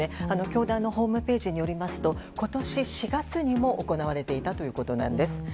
教団のホームページによりますと今年４月にも行われていたということなんです。